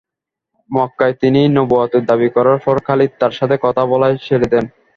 মক্কায় তিনি নবুওয়াতের দাবি করার পর খালিদ তাঁর সাথে কথা বলাই ছেড়ে দেন।